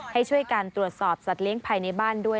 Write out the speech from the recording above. ให้ช่วยการตรวจสอบสัตว์เลี้ยงภายในบ้านด้วย